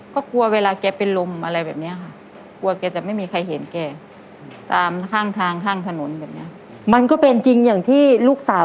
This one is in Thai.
ก็กลัวเวลาเป็นลมอะไรแบบนี้ค่ะ